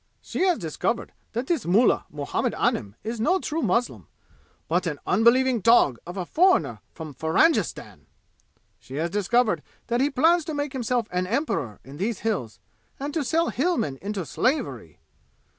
"She has discovered that this mullah Muhammad Anim is no true muslim, but an unbelieving dog of a foreigner from Farangistan! She has discovered that he plans to make himself an emperor in these Hills, and to sell Hillmen into slavery!"